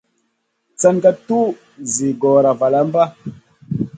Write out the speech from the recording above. San ka tuʼ zi gora valam pa.